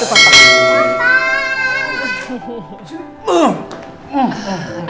sampai jumpa papa